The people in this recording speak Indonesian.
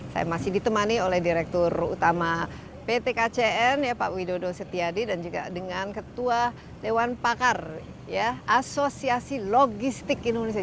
saya masih ditemani oleh direktur utama pt kcn pak widodo setiadi dan juga dengan ketua dewan pakar asosiasi logistik indonesia